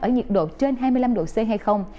ở nhiệt độ trên hai mươi năm độ c hay không